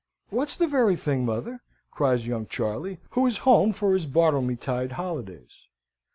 "What's the very thing, mother?" cries young Charley, who is home for his Bartlemytide holidays.